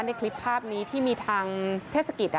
ในคลิปภาพนี้ที่มีทางเทศกิจ